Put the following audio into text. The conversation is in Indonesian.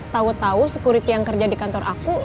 tau tau security yang kerja di kantor aku